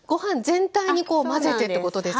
全体に混ぜてってことですか？